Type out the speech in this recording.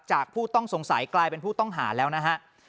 ผู้ต้องสงสัยกลายเป็นผู้ต้องหาแล้วนะฮะ